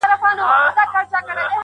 ما له ازله بې خبره کوچي.!